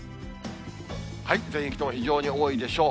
全域とも非常に多いでしょう。